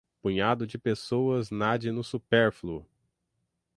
punhado de pessoas nade no supérfluo